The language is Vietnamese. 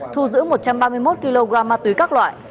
thu giữ một trăm ba mươi một kg ma túy các loại